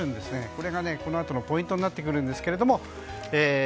これがこのあとのポイントになってくるんですけど